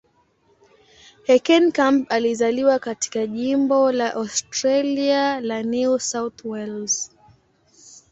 Heckenkamp alizaliwa katika jimbo la Australia la New South Wales.